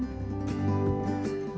kepala pengacara cornelia agata